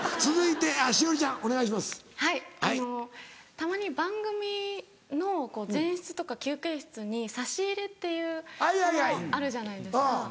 たまに番組の前室とか休憩室に差し入れっていうものあるじゃないですか。